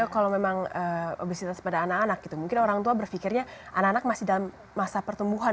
kalau memang obesitas pada anak anak gitu mungkin orang tua berpikirnya anak anak masih dalam masa pertumbuhan